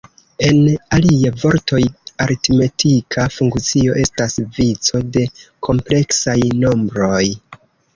En alia vortoj, aritmetika funkcio estas vico de kompleksaj nombroj.